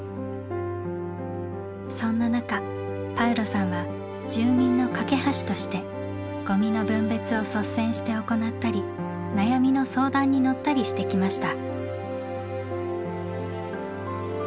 そんな中パウロさんは「住民の懸け橋」としてごみの分別を率先して行ったり悩みの相談に乗ったりしてきました。